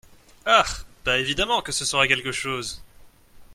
Ah ! ben, évidemment que ce sera quelque chose !